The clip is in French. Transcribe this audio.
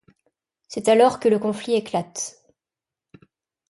C'est alors que le conflit éclate.